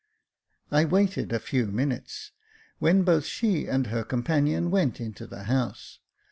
I waited a few minutes, when both she and her companion went into the house.